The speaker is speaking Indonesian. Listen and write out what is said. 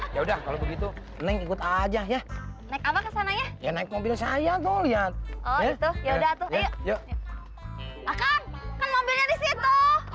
ya udah kalau begitu ikut aja ya naik mobil saya tuh lihat ya ayo